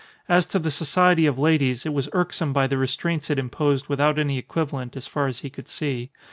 As to the society of ladies, it was irksome by the restraints it imposed without any equivalent, as far as he could see.